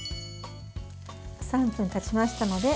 ３分たちましたので。